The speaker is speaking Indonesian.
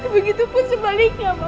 begitu pun sebaliknya mama